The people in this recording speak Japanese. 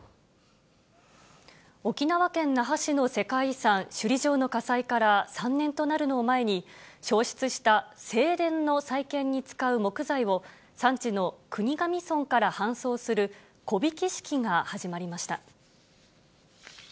沖縄県那覇市の世界遺産、首里城の火災から３年となるのを前に、焼失した正殿の再建に使う木材を、産地の国頭村から搬送する木曳式が始まりました。